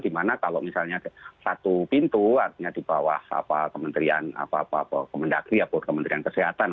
dimana kalau misalnya satu pintu artinya di bawah kementerian kemendagri kementerian kesehatan